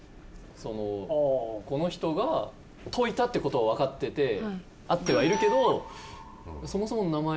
そのこの人が解いたって事はわかってて合ってはいるけどそもそも名前。